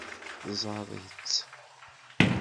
Ẓeṛ-itt.